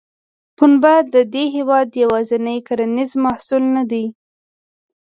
پنبه د دې هېواد یوازینی کرنیز محصول نه دی.